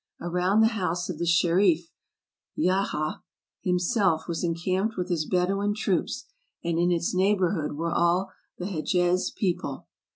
Around the house of the Sherif, Yahya himself was en camped with his Bedouin troops, and in its neighborhood were all the Hedjez people.